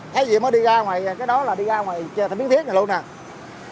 thấy gì mới đi ra ngoài cái đó là đi ra ngoài miếng thiết này luôn nè